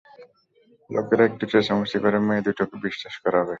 লোকেরা একটু চেঁচামেচি করে মেয়ে দুটোকে বিশ্বাস করাবে।